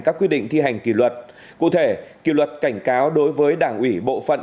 các quy định thi hành kỷ luật cụ thể kỷ luật cảnh cáo đối với đảng ủy bộ phận